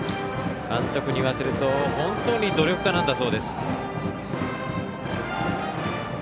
監督に言わせると本当に努力家なんだそうです。